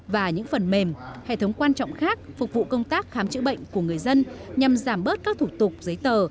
và những phần mềm hệ thống quan trọng khác phục vụ công tác khám chữa bệnh của người dân nhằm giảm bớt các thủ tục giấy tờ